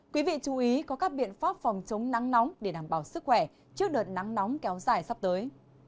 quý vị chú ý có các biện pháp phòng chống nắng nóng để đảm bảo sức khỏe trước đợt nắng nóng kéo dài sắp tới